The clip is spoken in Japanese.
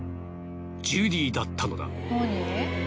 ジュディだったのだ。